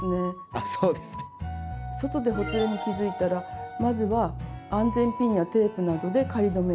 あそうですね。外でほつれに気付いたらまずは安全ピンやテープなどで仮留めして応急処置！